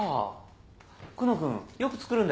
久能君よく作るんだよね？